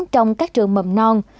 trong các trường mầm non